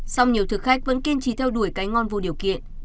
song nhiều thực khách vẫn kiên trì theo đuổi cái ngon vô điều kiện